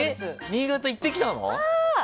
新潟行ってきたの？